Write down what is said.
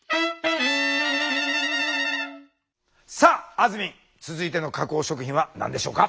さああずみん続いての加工食品は何でしょうか？